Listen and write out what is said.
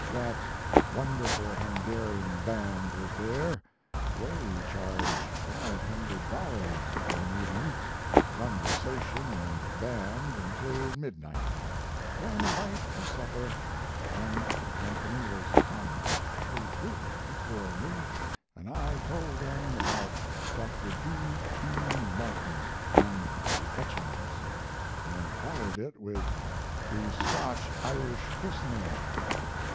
That wonderful Hungarian band was there (they charge $500 for an evening). Conversation and band until midnight; then a bite of supper; then the company was compactly grouped before me & I told them about Dr. B. E. Martin & the etchings, & followed it with the Scotch Irish christening.